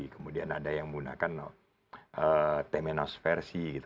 kemudian ada yang menggunakan temenos versi